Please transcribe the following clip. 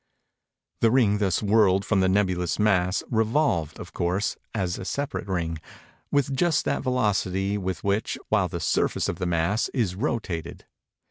The ring thus whirled from the nebulous mass, revolved, of course, as a separate ring, with just that velocity with which, while the surface of the mass, it rotated.